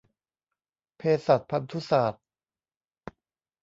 เภสัชพันธุศาสตร์